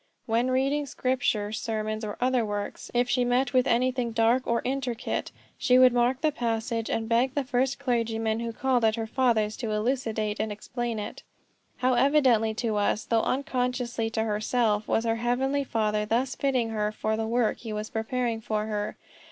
When reading scripture, sermons, or other works, if she met with anything dark or intricate, she would mark the passage, and beg the first clergyman who called at her father's to elucidate and explain it." How evidently to us, though unconsciously to herself, was her Heavenly Father thus fitting her for the work he was preparing for her.